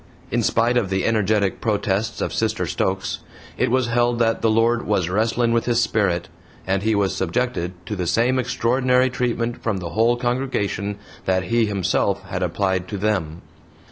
In spite of the energetic protests of Sister Stokes, it was held that the Lord "was wrestlin' with his sperrit," and he was subjected to the same extraordinary treatment from the whole congregation that he himself had applied to THEM.